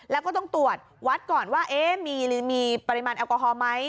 แล้วก็ต้องตรวจวัดก่อนว่ามีปริมาณแอลกอฮอลไหม